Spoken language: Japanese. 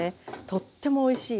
とってもおいしい。